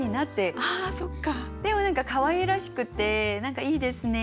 でも何かかわいらしくていいですね。